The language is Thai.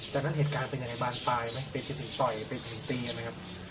แต่งั้นเหตุการณ์เป็นอย่างไรบ้างปลายไหมไปถึงต่อยไปถึงตีกันไหมครับ